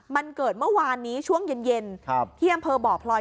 มันเกิดเมื่อวานนี้ช่วงเย็นที่อำเภอบ่อพลอย